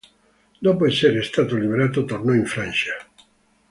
Dopo essere stato liberato tornò in Francia.